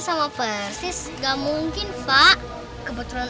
sama persis gak mungkin pak kebetulan